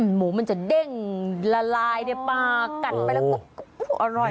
หมูมันจะเด้งละลายในปากกัดไปแล้วก็อร่อย